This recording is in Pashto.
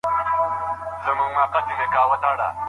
ولي محنتي ځوان د ذهین سړي په پرتله لاره اسانه کوي؟